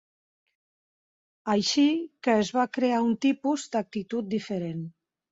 Així que es va crear un tipus d'actitud diferent.